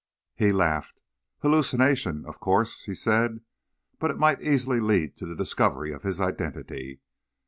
He laughed. "Hallucination, of course," he said; "but it might easily lead to the discovery of his identity.